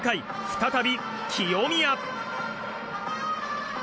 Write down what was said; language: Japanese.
再び清宮。